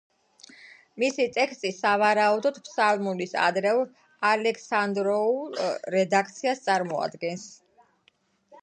მისი ტექსტი სავარაუდოდ ფსალმუნის ადრეულ, ალექსანდრიულ რედაქციას წარმოადგენს.